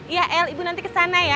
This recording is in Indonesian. ya el ibu nanti kesana ya